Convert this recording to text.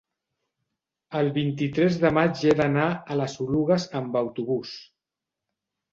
el vint-i-tres de maig he d'anar a les Oluges amb autobús.